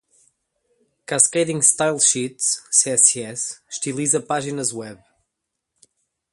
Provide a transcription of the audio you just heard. Cascading Style Sheets (CSS) estiliza páginas web.